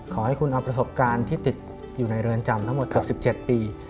ขอให้คุณเอาประสบการณ์ที่ติดอยู่ในเรือนจำทั้งหมดเกือบ๑๗ปี